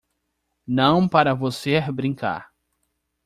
Não para você brincar